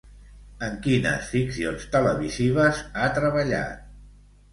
En quines ficcions televisives ha treballat?